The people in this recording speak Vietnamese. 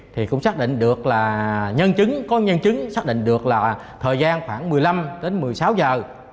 thì cũng xác định được là nhân chứng có nhân chứng xác định được là thời gian khoảng một mươi năm đến một mươi sáu giờ